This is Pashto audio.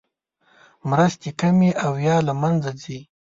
مرستې کمې او یا له مینځه ځي.